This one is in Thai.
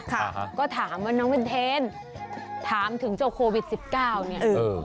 ค่ะฮะก็ถามว่าน้องเป็นเทนถามถึงเจ้าโควิดสิบเก้าเนี่ยเออ